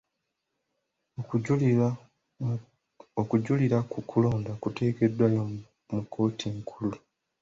Okujulira ku kulonda kuteekeddwayo mu kkooti enkulu.